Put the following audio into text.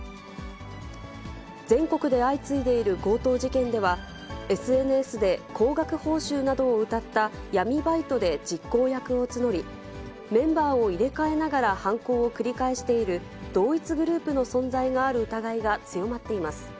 全国で相次いでいる強盗事件では、ＳＮＳで高額報酬などをうたった闇バイトで実行役を募り、メンバーを入れ替えながら、犯行を繰り返している同一グループの存在がある疑いが強まっています。